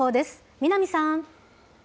南さん。